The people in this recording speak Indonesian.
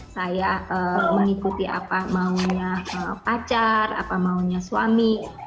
saya mengikuti apa maunya pacar apa maunya suami